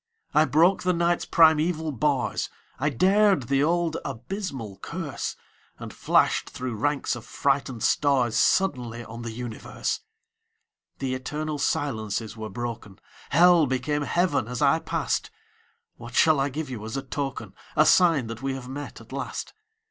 I broke the Night's primeval bars, I dared the old abysmal curse, And flashed through ranks of frightened stars Suddenly on the universe! The eternal silences were broken; Hell became Heaven as I passed. What shall I give you as a token, A sign that we have met, at last?